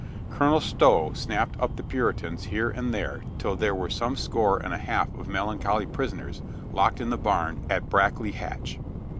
Colonel Stow snapped up the Puritans here and there till there were some score and a half of melancholy prisoners locked in the barn at Brack ley Hatch.